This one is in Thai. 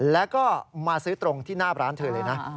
แล้วก็มาซื้อตรงที่หน้าร้านเธอเลยนะ